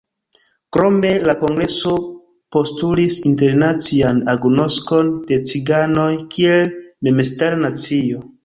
Krome la kongreso postulis internacian agnoskon de ciganoj kiel memstara nacio.